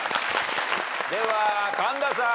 では神田さん。